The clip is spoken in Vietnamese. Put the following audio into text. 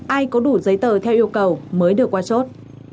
ai có đủ giấy tờ theo yêu cầu mới được qua chốt